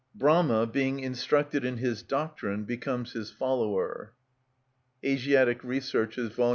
Brahma, being instructed in his doctrine, becomes his follower" (Asiatic Researches, vol.